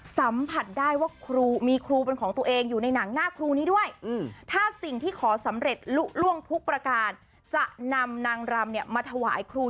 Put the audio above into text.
สัมผัสได้ว่าครูมีครูเป็นของตัวเองอยู่ในหนังหน้าครูนี้ด้วยถ้าสิ่งที่ขอสำเร็จลุล่วงทุกประการจะนำนางรำเนี่ยมาถวายครู